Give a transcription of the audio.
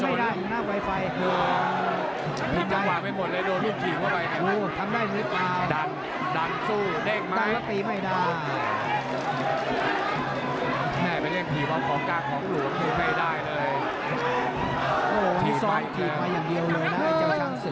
โอ้นี่ซ้อมตีดมาอย่างเดียวหน่อยนะ